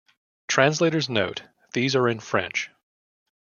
"Translator's note: These are in French"